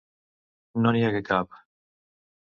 No n'hi hagué cap.